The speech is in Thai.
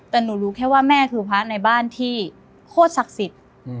แต่หนูรู้แค่ว่าแม่คือพระในบ้านที่โคตรศักดิ์สิทธิ์